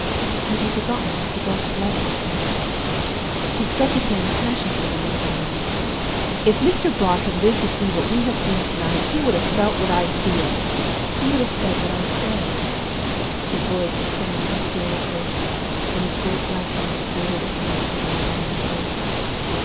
"'Have you forgotten Mr. Brock's letter?' I asked. "He struck his hand passionately on the open manuscript. 'If Mr. Brook had lived to see what we have seen to night he would have felt what I feel, he would have said what I say!' His voice sank mysteriously, and his great black eyes glittered at me as he made that answer.